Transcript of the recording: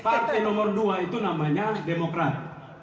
partai nomor dua itu namanya demokrat